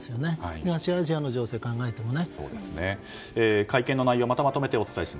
東アジアの情勢を考えてもね。